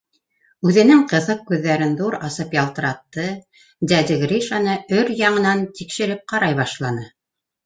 Үҙенең ҡыҫыҡ күҙҙәрен ҙур асып ялтыратты, дядя Гришаны өр-яңынан тикшереп ҡарай башланы.